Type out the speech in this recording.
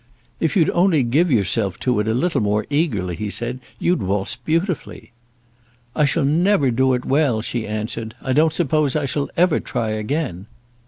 "If you'd only give yourself to it a little more eagerly," he said, "you'd waltz beautifully." "I shall never do it well," she answered. "I don't suppose I shall ever try again."